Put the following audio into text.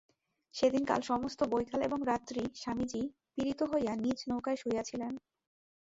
সেদিনকার সমস্ত বৈকাল এবং রাত্রি স্বামীজী পীড়িত হইয়া নিজ নৌকায় শুইয়াছিলেন।